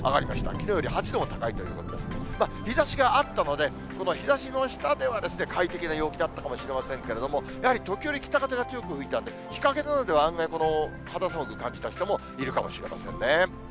きのうより８度も高いということで、日ざしがあったので、この日ざしの下では快適な陽気だったかもしれませんけれども、やはり時折、北風が強く吹いたんで、日陰などでは案外、肌寒く感じた人もいるかもしれませんね。